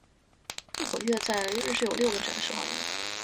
利口乐在瑞士有六个展示花园。